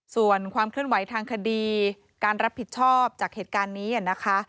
ส่วนความเคลื่อนไหวทางคดีการรับผิดชอบจากเหตุการณ์นี้นะคะ